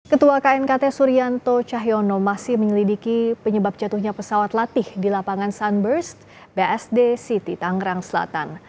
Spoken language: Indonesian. ketua knkt suryanto cahyono masih menyelidiki penyebab jatuhnya pesawat latih di lapangan sunburst bsd city tangerang selatan